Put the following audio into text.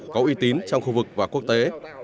có uy tín trong khu vực và quốc tế